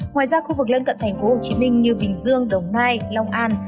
ngoài ra khu vực lân cận thành phố hồ chí minh như bình dương đồng nai long an